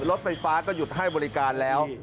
รถไฟฟ้าก็หยุดให้บริการแล้ว